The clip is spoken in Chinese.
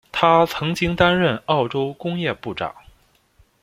他曾经担任澳洲工业部长。